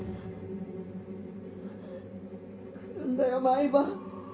来るんだよ毎晩。